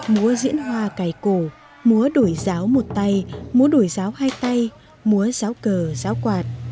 múa diễn hoa cài cổ múa đổi giáo một tay múa đổi giáo hai tay múa giáo cờ giáo quạt